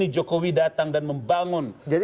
jokowi datang dan membangun